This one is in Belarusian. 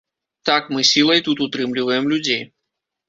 Так, мы сілай тут утрымліваем людзей.